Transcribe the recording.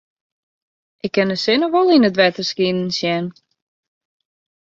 Ik kin de sinne wol yn it wetter skinen sjen.